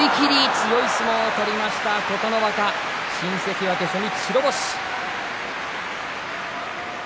強い相撲を取りました琴ノ若新関脇、初日白星。